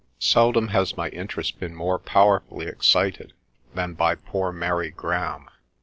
Seldom has my interest been more powerfully excited than by poor Mary Graham.